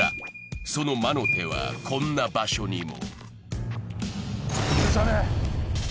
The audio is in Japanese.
その魔の手はこんな場所にも。